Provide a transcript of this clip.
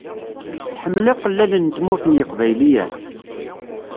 Tḥemmel aqellal n Tmurt n yeqbayliyen?